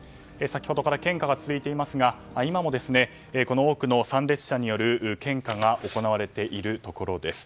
先ほどから献花が続いていますが今も多くの参列者による献花が行われているところです。